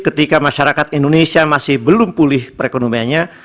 ketika masyarakat indonesia masih belum pulih perekonomiannya